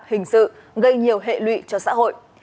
hình sự gây nhiều hệ lụy cho xã hội